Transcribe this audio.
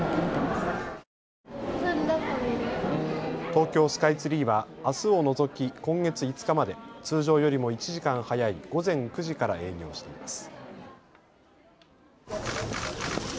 東京スカイツリーは、あすを除き今月５日まで通常よりも１時間早い午前９時から営業しています。